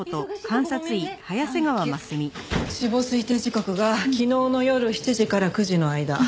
死亡推定時刻が昨日の夜７時から９時の間。